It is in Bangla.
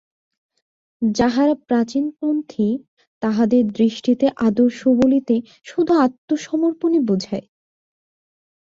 যাঁহারা প্রাচীনপন্থী, তাঁহাদের দৃষ্টিতে আদর্শ বলিতে শুধু আত্মসমর্পণই বুঝায়।